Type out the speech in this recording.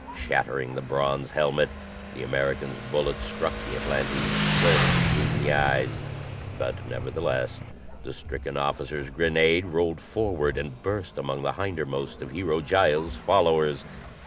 Shattering the bronze helmet, the American's bullet struck the Atlantean squarely between the eyes, but nevertheless the stricken officer's grenade rolled forward and burst among the hindermost of Hero Giles' followers.